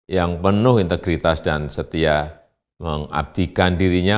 yang penuh integritas dan setia mengabdikan dirinya